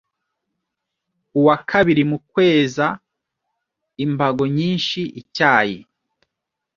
uwa kabiri mu kweza imboga nyinshi, icyayi,